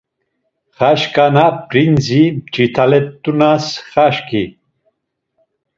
Xaşǩana p̌rindzi Mç̌italet̆unas xaşǩi.